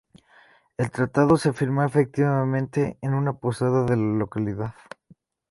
El tratado se firmó efectivamente en una posada de la localidad.